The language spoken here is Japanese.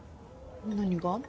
何が？